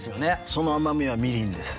その甘みはみりんです。